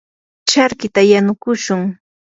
charkita yanukushun.